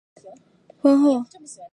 婚后一年生了个女婴